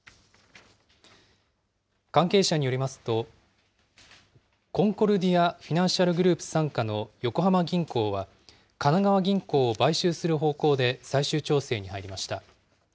関係者によりますと、コンコルディア・フィナンシャルグループ傘下の横浜銀行は、神奈川銀行を買収する方向で最終調整に入りました。